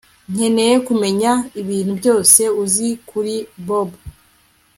Nkeneye kumenya ibintu byose uzi kuri Bobo